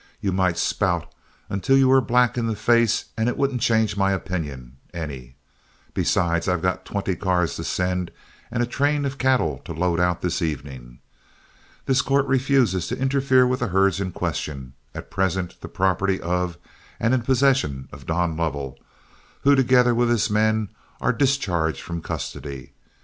You might spout until you were black in the face and it wouldn't change my opinion any; besides I've got twenty cars to send and a train of cattle to load out this evening. This court refuses to interfere with the herds in question, at present the property of and in possession of Don Lovell, who, together with his men, are discharged from custody.